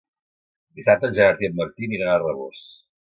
Dissabte en Gerard i en Martí aniran a Rabós.